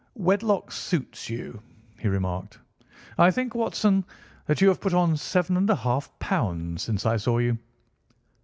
"Wedlock suits you," he remarked. "I think, Watson, that you have put on seven and a half pounds since I saw you."